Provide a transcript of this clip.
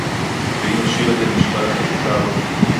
ואם השיר הזה נשמע לכם מוכר